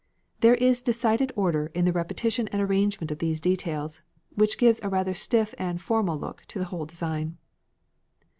There is decided order in the repetition and arrangement of these details, which gives a rather stiff and formal look to the whole design.